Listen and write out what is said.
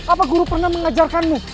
apa guru pernah mengajarkanmu